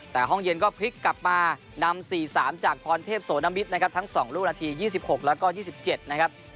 แต่ห้องเย็นก็พลิกกลับมานำ๔๓จากพรเทพโสนมิตรนะครับทั้ง๒ลูกนาที๒๖แล้วก็๒๗นะครับ